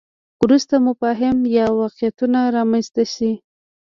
وروسته مفاهیم یا واقعیتونه رامنځته شي.